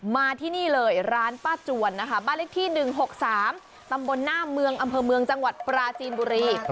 มาที่นี่เลยร้านป้าจวนนะคะบ้านเลขที่๑๖๓ตำบลหน้าเมืองอำเภอเมืองจังหวัดปราจีนบุรี